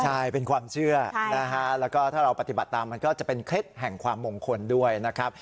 ใช่เป็นความเชื่อนะฮะแล้วก็ถ้าเราปฏิบัติตามมันก็จะเป็นเคล็ดแห่งความมงคลด้วยนะครับ